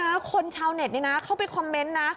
แต่คนชาวเน็ตเข้าไปคอมเม้นต์นะ